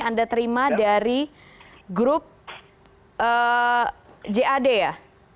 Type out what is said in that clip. anda terima dari grup jad ya